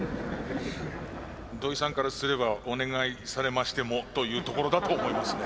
土井さんからすればお願いされましてもというところだと思いますね。